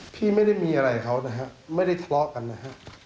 พี่ไม่ได้มีอะไรกับเขานะฮะไม่ได้ทะเลาะกันนะฮะ